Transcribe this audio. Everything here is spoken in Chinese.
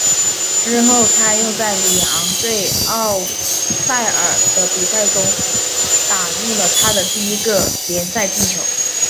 之后他又在里昂对欧塞尔的比赛中打入了他的第一个联赛进球。